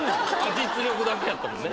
実力だけやったもんね。